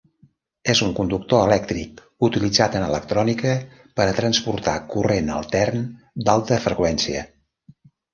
És un conductor elèctric utilitzat en electrònica per a transportar corrent altern d'alta freqüència.